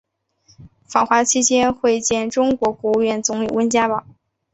访华期间会见中国国务院总理温家宝。